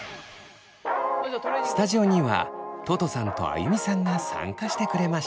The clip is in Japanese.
スタジオにはととさんとあゆみさんが参加してくれました。